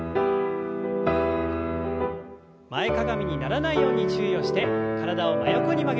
前かがみにならないように注意をして体を真横に曲げます。